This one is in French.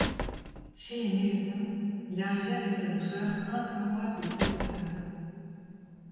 Chez les Méhudin, il arrivait avec sa douceur un peu roide de professeur.